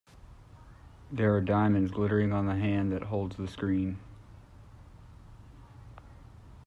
There are diamonds glittering on the hand that holds the screen.